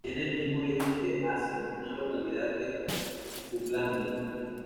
Tiene el mismo origen que Assens, una localidad de Jutlandia.